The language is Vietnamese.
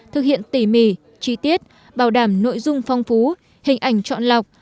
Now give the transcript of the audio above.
thực hiện tỉ mỉ chi tiết bảo đảm nội dung phong phú hình ảnh chọn lọc